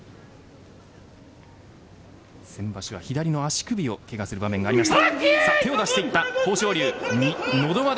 先場所は左の足首をケガする場面がありました。